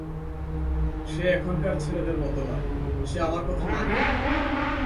সে এখনকার ছেলেদের মতো নয়, সে আমার কথা মানে।